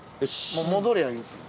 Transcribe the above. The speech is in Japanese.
もう戻りゃいいんですもん。